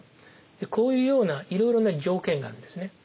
こういうようないろいろな条件があるんですね。